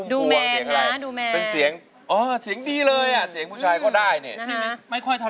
ดูแมนนะเดี๋ยวเดี๋ยววะบอกว่าได้๒อย่าง